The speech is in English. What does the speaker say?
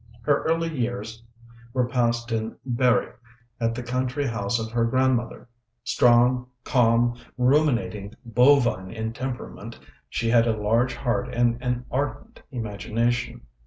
Her early years were passed in Berri, at the country house of her grandmother. Strong, calm, ruminating, bovine in temperament, she had a large heart and an ardent imagination.